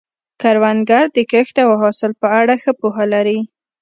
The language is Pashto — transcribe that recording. کروندګر د کښت او حاصل په اړه ښه پوهه لري